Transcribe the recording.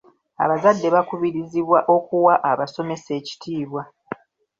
Abazadde bakubirizibwa okuwa abasomesa ekitiibwa.